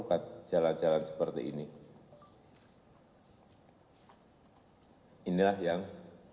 kalau yang paling rawan pak